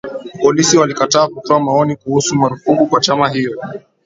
Polisi walikataa kutoa maoni kuhusu marufuku kwa chama hiyo